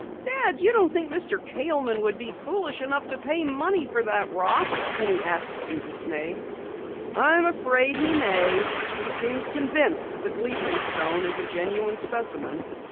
"Dad, you don't think Mr. Kaleman will be foolish enough to pay money for that rock?" Penny asked in dismay. "I am afraid he may. He seems convinced that the Gleason stone is a genuine specimen."